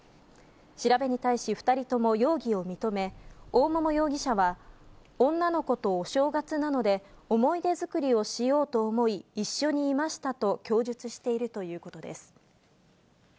調べに対し、２人とも容疑を認め、大桃容疑者は、女の子とお正月なので、思い出作りをしようと思い、一緒にいましたと供述しているということです。